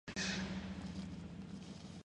Otro problema era el monto de sus pagas.